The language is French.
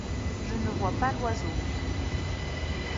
Je ne vois pas l’oiseau.